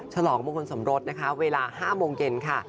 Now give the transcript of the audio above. ฉลองมงคลสมรสนะคะเวลา๕โมงเย็นค่ะ